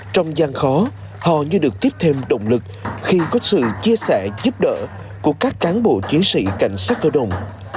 trong gian khó họ như được tiếp thêm động lực khi có sự chia sẻ giúp đỡ của các cán bộ chiến sĩ cảnh sát cơ động